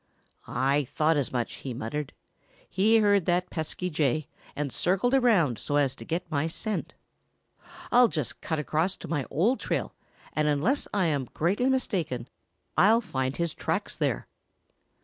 "I thought as much," he muttered. "He heard that pesky Jay and circled around so as to get my scent. I'll just cut across to my old trail and unless I am greatly mistaken, I'll find his tracks there."